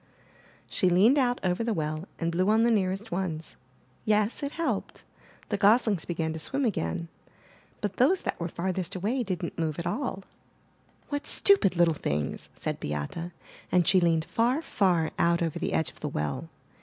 She leaned out over the well and blew on the nearest ones — Yes, it helped — the goslings began to swim again. But those that were farthest away didn't move at all. 439 MY BOOK HOUSE ''What stupid little things!'* said Beate, and she leaned far, far out over the edge of the well.